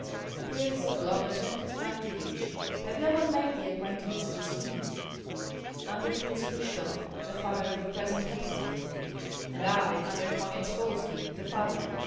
Here Zagloba turned to Stankyevich: "Have you ever made the acquaintance of the Swedes?" "Under Prince Krishtof, the father of the present hetman." "And I under Konyetspolski, the father.